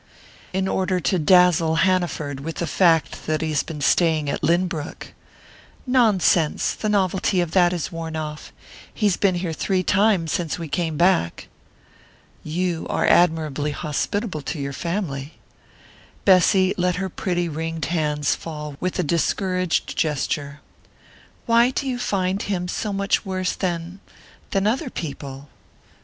"In order to dazzle Hanaford with the fact that he has been staying at Lynbrook!" "Nonsense the novelty of that has worn off. He's been here three times since we came back." "You are admirably hospitable to your family " Bessy let her pretty ringed hands fall with a discouraged gesture. "Why do you find him so much worse than than other people?"